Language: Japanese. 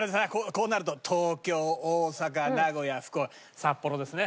こうなると東京大阪名古屋福岡札幌ですね。